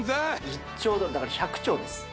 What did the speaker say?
１兆ドルだから１００兆です・